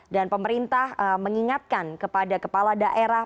dan pemerintah mengingatkan kepada kepala daerah